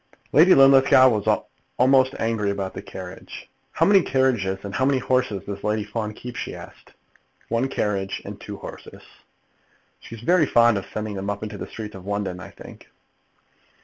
Lady Linlithgow was almost angry about the carriage. "How many carriages and how many horses does Lady Fawn keep?" she asked. "One carriage and two horses." "She's very fond of sending them up into the streets of London, I think."